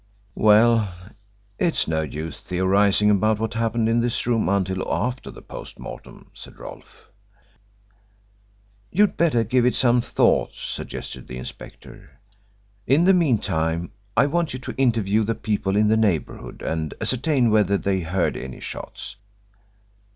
"Well, it is no use theorising about what happened in this room until after the post mortem," said Rolfe. "You'd better give it some thought," suggested the inspector. "In the meantime I want you to interview the people in the neighbourhood and ascertain whether they heard any shots.